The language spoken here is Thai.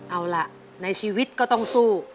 เอาล่ะในชีวิตก็ต้องสู้